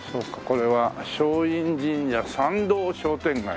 これは松陰神社参道商店街。